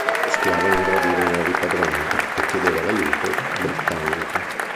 Lo schiavo non gradiva i nuovi padroni, e chiedeva l'aiuto britannico.